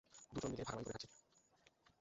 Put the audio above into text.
দুজন মিলে ভাগাভাগি করে খাচ্ছি।